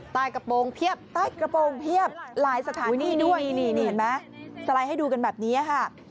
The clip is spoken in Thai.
ใต้กระโปรงเพียบหลายสถานที่ด้วยเห็นไหมสไลด์ให้ดูกันแบบนี้ค่ะ